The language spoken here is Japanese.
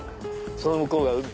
その向こうが海。